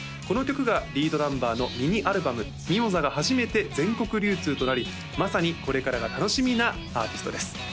この曲がリードナンバーのミニアルバム「ミモザ」が初めて全国流通となりまさにこれからが楽しみなアーティストです